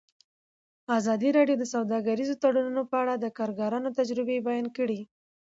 ازادي راډیو د سوداګریز تړونونه په اړه د کارګرانو تجربې بیان کړي.